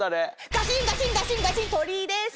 ガシンガシンガシンガシン鳥居です。